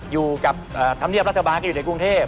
อยู่กับธรรมเนียบรัฐบาลก็อยู่ในกรุงเทพ